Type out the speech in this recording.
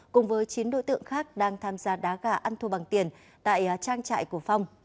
cùng với chín đối tượng khác đang tham gia đá gà ăn thua bằng tiền tại trang trại của phong